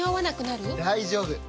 大丈夫！